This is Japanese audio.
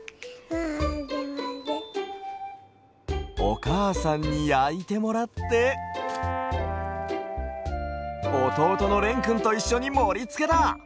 おかあさんにやいてもらっておとうとのれんくんといっしょにもりつけだ！